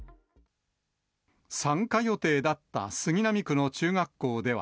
参加予定だった杉並区の中学校では。